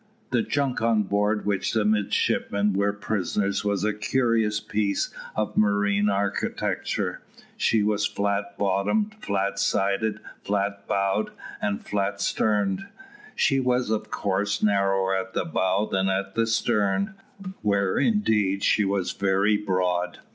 The junk on board which the midshipmen were prisoners was a curious piece of marine architecture. She was flat bottomed, flat sided, flat bowed, and flat sterned. She was of course narrower at the bow than at the stern, where indeed she was very broad.